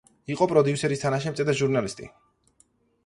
იყო პროდიუსერის თანაშემწე და ჟურნალისტი.